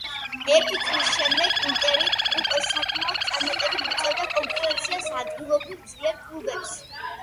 ერთი წლის შემდეგ „ინტერი“ უკვე საკმაოდ წარმატებით უწევდა კონკურენციას ადგილობრივ ძლიერ კლუბებს.